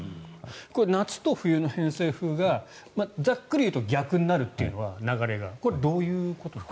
夏と冬の偏西風がざっくりいうと流れが逆になるというのはこれはどういうことなんですか？